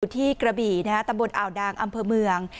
อยู่ที่กระบีนะฮะตำบลอ่าวดางอำเภอเมือง